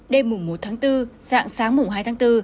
đêm mùa một tháng bốn sáng sáng mùa hai tháng bốn